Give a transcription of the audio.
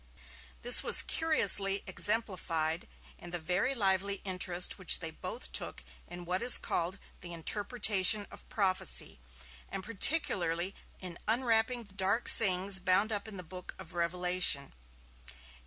This was curiously exemplified in the very lively interest which they both took in what is called 'the interpretation of prophecy', and particularly in unwrapping the dark sayings bound up in the Book of Revelation.